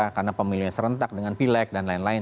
karena pemilihnya serentak dengan pilek dan lain lain